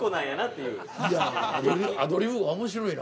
◆いや、アドリブが面白いな。